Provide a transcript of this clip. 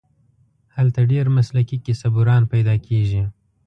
هلته ډېر مسلکي کیسه بُران پیدا کېږي.